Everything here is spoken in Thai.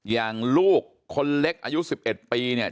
อย่างลูกคนเล็กอายุ๑๑ปีเนี่ย